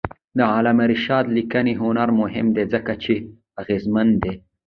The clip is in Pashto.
د علامه رشاد لیکنی هنر مهم دی ځکه چې اغېزمن دی.